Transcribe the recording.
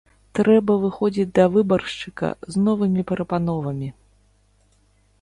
Трэба выходзіць да выбаршчыка з новымі прапановамі.